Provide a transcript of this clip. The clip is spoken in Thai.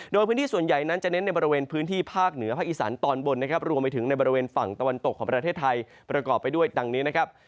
โดยพื้นที่ส่วนใหญ่นั้นจะเน้นในบริเวณพื้นที่ภาคเหนือภาคอีสานตอนบนนะครับรวมไปถึงในบริเวณฝั่งตะวันตกของประเทศไทยประกอบไปด้วยดังนี้นะครับ